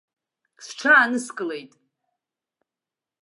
Сҽааныскылеит.